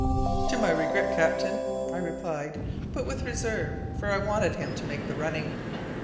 "To my regret, captain," I replied, but with reserve, for I wanted him to make the running.